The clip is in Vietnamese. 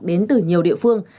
đến từ nhiều địa phương